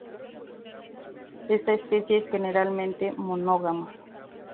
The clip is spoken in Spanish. Esta especie es generalmente monógama.